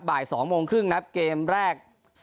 บ่าย๒โมงครึ่งนะครับเกมแรก